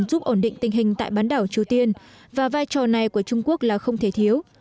giúp ổn định tình hình tại bán đảo triều tiên và vai trò này của trung quốc là không thể thiếu